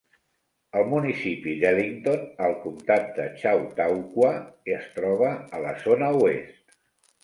El municipi d"Ellington al comtat de Chautauqua es troba a la zona oest.